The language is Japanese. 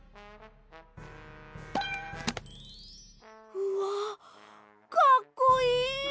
うわっかっこいい。